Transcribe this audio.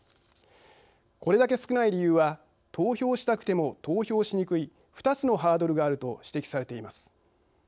これだけ少ない理由は投票したくても、投票しにくい２つのハードルがあると指摘されています。